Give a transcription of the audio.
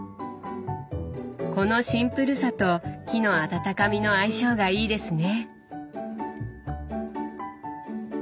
このシンプルさと木の温かみの相性がいいですね。